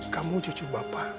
kamu cucu bapak